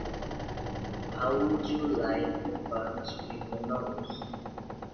How would you like a punch in the nose?